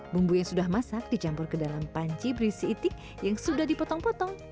bumbu yang sudah masak dicampur ke dalam panci berisi itik yang sudah dipotong potong